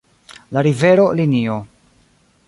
La rivero, linio